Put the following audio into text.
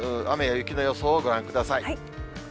雨や雪の予想をご覧ください。